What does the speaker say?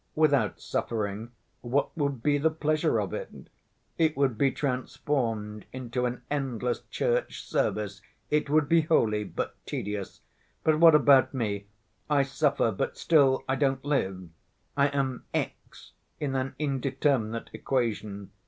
Without suffering what would be the pleasure of it? It would be transformed into an endless church service; it would be holy, but tedious. But what about me? I suffer, but still, I don't live. I am x in an indeterminate equation.